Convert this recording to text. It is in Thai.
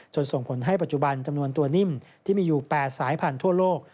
ส่งผลให้ปัจจุบันจำนวนตัวนิ่มที่มีอยู่๘สายพันธุโลก